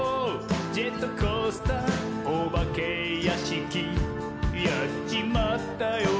ジェットコースターおばけやしき」「やっちまったよ！